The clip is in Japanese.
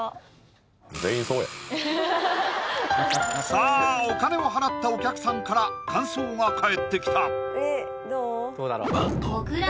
さあお金を払ったお客さんから感想が返ってきたえっどう？